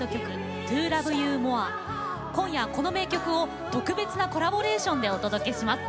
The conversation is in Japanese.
今夜この名曲を特別なコラボレーションでお届けします。